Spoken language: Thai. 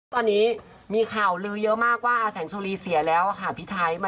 ตอนนี้มีข่าวลือเยอะมากว่าอาแสงสุรีเสียแล้วค่ะพี่ไทย